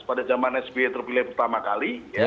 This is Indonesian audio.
pada zaman sby terpilih pertama kali